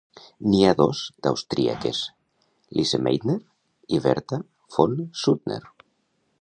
N'hi ha dos d'austríaques: Lise Meitner i Bertha von Suttner.